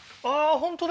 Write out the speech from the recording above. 本当だ